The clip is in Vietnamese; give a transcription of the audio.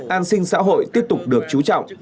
an sinh xã hội tiếp tục được chú trọng